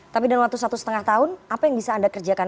tapi dalam waktu satu setengah tahun apa yang bisa anda kerjakan